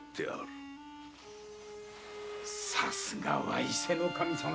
さすがは伊勢守様‼